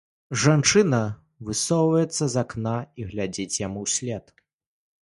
Жанчына высоўваецца з акна і глядзіць яму ўслед.